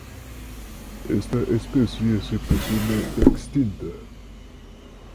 Esta especie se presume extinta.